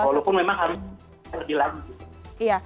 walaupun memang harus lebih lanjut